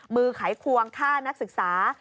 ไขควงฆ่านักศึกษา